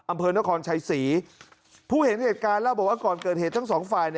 อำเภอนครชัยศรีผู้เห็นเหตุการณ์เล่าบอกว่าก่อนเกิดเหตุทั้งสองฝ่าย